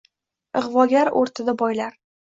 Ig‘vogar o‘rtada boylar